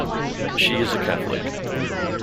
She is a Catholic.